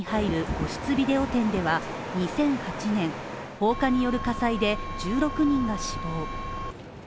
個室ビデオ店では２００８年、放火による火災で１６人が死亡。